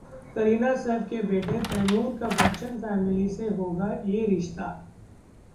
करीना-सैफ के बेटे तैमूर का बच्चन फैमिली से होगा ये रिश्ता...